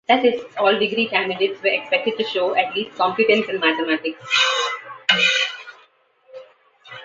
That is, all degree candidates were expected to show at least competence in mathematics.